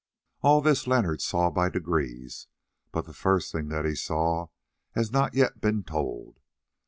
All this Leonard saw by degrees, but the first thing that he saw has not yet been told.